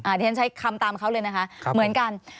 เดี๋ยวฉันใช้คำตามเขาเลยนะคะเหมือนกัน